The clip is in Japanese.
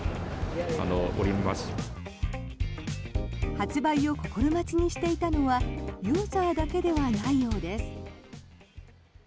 発売を心待ちにしていたのはユーザーだけではないようです。